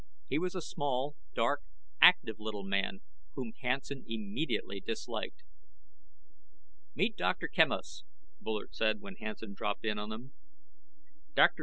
He was a small, dark active little man whom Hansen immediately disliked. "Meet Dr. Quemos," Bullard said when Hansen dropped in on them. "Dr.